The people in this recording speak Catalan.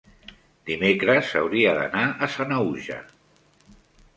dimecres hauria d'anar a Sanaüja.